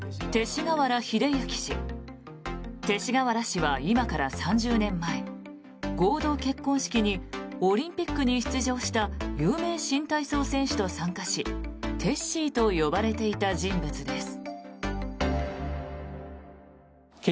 勅使河原氏は今から３０年前合同結婚式にオリンピックに出場した有名新体操選手と参加しテッシーと呼ばれていた人物です。